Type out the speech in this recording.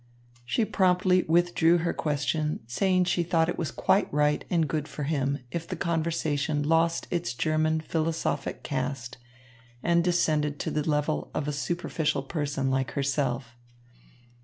She promptly withdrew her question, saying she thought it was quite right and good for him if the conversation lost its German philosophic cast and descended to the level of a superficial person like herself.